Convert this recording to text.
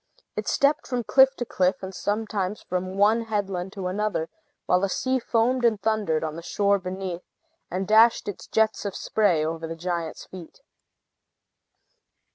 It stepped from cliff to cliff, and sometimes from one headland to another, while the sea foamed and thundered on the shore beneath, and dashed its jets of spray over the giant's feet.